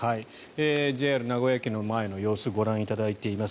ＪＲ名古屋駅の前の様子ご覧いただいています。